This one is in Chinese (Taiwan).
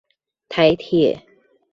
台鐵